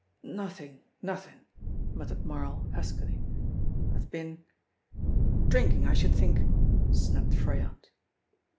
"Nothin' nothin'," muttered Marl huskily. "I've been " "Drinking, I should think," snapped Froyant.